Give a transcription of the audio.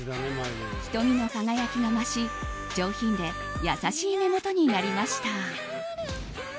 瞳の輝きが増し上品で優しい目元になりました。